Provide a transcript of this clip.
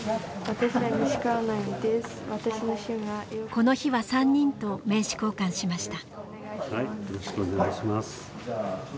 この日は３人と名刺交換しました。